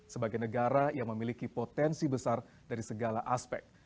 sebagai negara yang memiliki potensi besar dari segala aspek